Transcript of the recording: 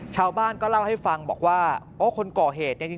ชาวบ้านก็เล่าให้ฟังบอกว่าโอ้คนก่อเหตุเนี่ยจริง